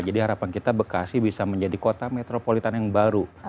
jadi harapan kita bekasi bisa menjadi kota metropolitan yang baru